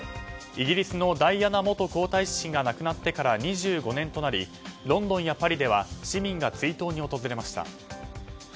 イギリスのダイアナ元皇太子妃が亡くなってから２５年となりロンドンやパリでは市民が追悼に訪れました。